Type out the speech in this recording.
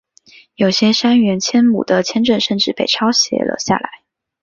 有些杉原千亩的签证甚至被抄写了下来。